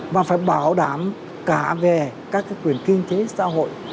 mà phải bảo đảm cả về các cái quyền kinh tế xã hội